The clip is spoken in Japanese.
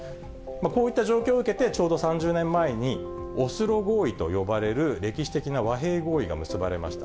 こういった状況を受けて、ちょうど３０年前に、オスロ合意と呼ばれる歴史的な和平合意が結ばれました。